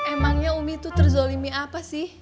emangnya umi itu terzolimi apa sih